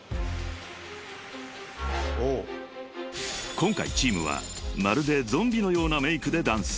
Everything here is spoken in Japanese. ［今回チームはまるでゾンビのようなメークでダンス］